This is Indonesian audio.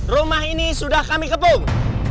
rumah ini sudah kami kepung